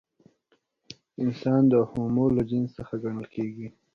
انسان د هومو له جنس څخه ګڼل کېږي.